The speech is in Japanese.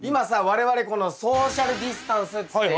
我々このソーシャルディスタンスっつって。